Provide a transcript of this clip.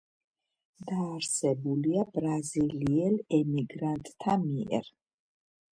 დაარსებულია ბრაზილიელ იმიგრანტთა მიერ.